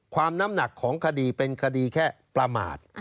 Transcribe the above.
น้ำหนักของคดีเป็นคดีแค่ประมาท